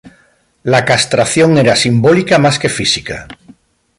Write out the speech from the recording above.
La castración era simbólica más que física.